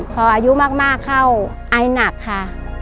พออายุมากเข้าไอหนักค่ะ